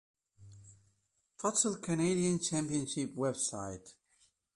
Futsal Canadian Championship website